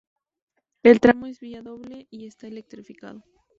El tramo es vía doble y está electrificado.